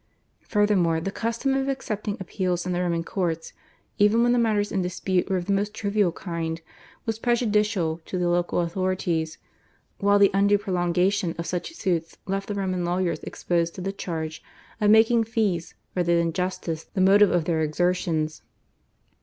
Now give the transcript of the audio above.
Furthermore, the custom of accepting appeals in the Roman Courts, even when the matters in dispute were of the most trivial kind, was prejudicial to the local authorities, while the undue prolongation of such suits left the Roman lawyers exposed to the charge of making fees rather than justice the motive of their exertions.